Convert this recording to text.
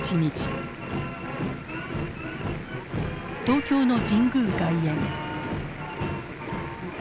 東京の神宮外苑。